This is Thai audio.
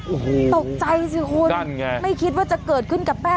โอ้โหตกใจสิคุณนั่นไงไม่คิดว่าจะเกิดขึ้นกับแม่